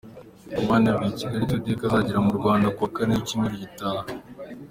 Romami yabwiye Kigali Today ko azagera mu Rwanda ku wa Kane w’icyumweru gitaha.